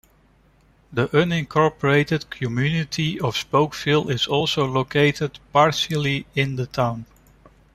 The unincorporated community of Spokeville is also located partially in the town.